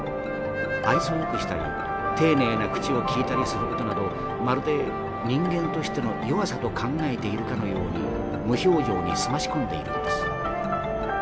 愛想よくしたり丁寧な口をきいたりする事などまるで人間としての弱さと考えているかのように無表情に澄まし込んでいるんです。